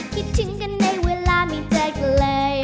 คิดถึงกันในเวลาไม่เจอกันเลย